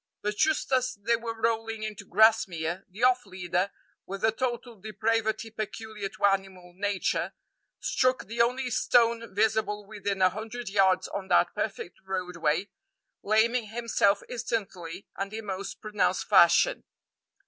But just as they were rolling into Grasmere, the off leader, with the total depravity peculiar to animal nature, struck the only stone visible within a hundred yards on that perfect roadway, laming himself instantly and in most pronounced fashion.